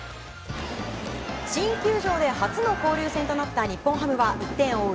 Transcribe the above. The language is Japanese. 新球場で初の交流戦となった日本ハムは１点を追う